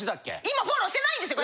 今フォローしてないです！